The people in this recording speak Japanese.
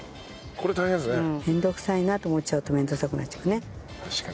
面倒くさいなと思っちゃうと面倒くさくなっちゃうよね。